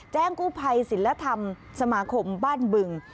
กู้ภัยศิลธรรมสมาคมบ้านบึง